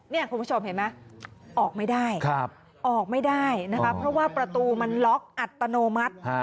คุณผู้ชมเห็นไหมออกไม่ได้ออกไม่ได้นะคะเพราะว่าประตูมันล็อกอัตโนมัติ